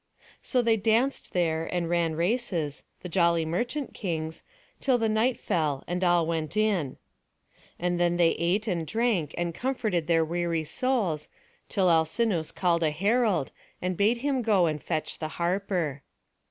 So they danced there and ran races, the jolly merchant kings, till the night fell, and all went in. And then they ate and drank, and comforted their weary souls, till Alcinous called a herald, and bade him go and fetch the harper.